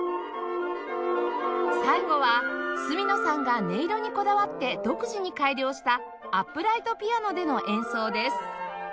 最後は角野さんが音色にこだわって独自に改良したアップライトピアノでの演奏です